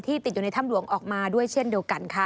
ติดอยู่ในถ้ำหลวงออกมาด้วยเช่นเดียวกันค่ะ